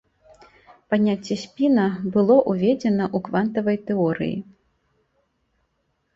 Паняцце спіна было ўведзена ў квантавай тэорыі.